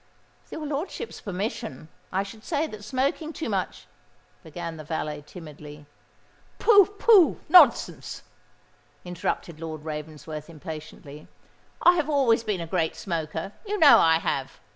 "With your lordship's permission, I should say that smoking too much—" began the valet, timidly. "Pooh! pooh!—nonsense!" interrupted Lord Ravensworth, impatiently. "I have always been a great smoker: you know I have.